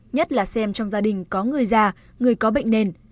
nhất là xem trong gia đình có người già người có bệnh nền